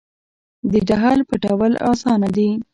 د ډهل پټول اسانه دي .